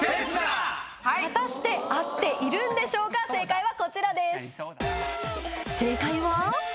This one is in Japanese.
果たして合っているんでしょうか正解はこちらです。